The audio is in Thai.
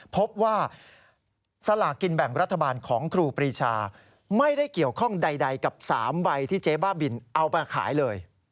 พบว่าสลากกินแบ่งรัฐบาลของครูปรีชาไม่ได้เกี่ยวข้องใดกับ๓ใบที่เจ๊บ้าบินเอาไปขายเลย